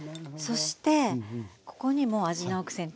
そしてここにも味のアクセントを。